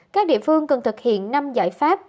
các địa phương cần thực hiện năm giải pháp